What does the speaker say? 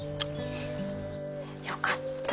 ☎よかった。